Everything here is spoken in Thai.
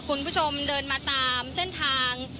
คุณผู้ชมเดินมาตามเส้นทาง